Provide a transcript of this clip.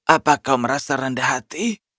apa kau merasa rendah hati